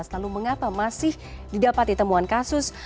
lalu mengapa masih didapat ditemuan kasus